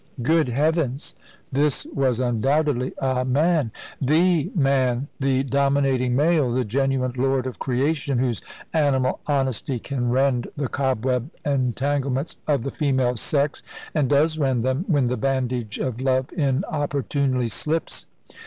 "Good heavens!" This was undoubtedly a man the man the dominating male, the genuine lord of creation, whose animal honesty can rend the cobweb entanglements of the female sex, and does rend them, when the bandage of love inopportunely slips.